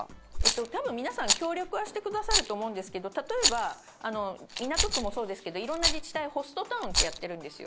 多分、皆さん協力はしてくださると思うんですけど例えば、港区もそうですけど色んな自治体、ホストタウンってやってるんですよ。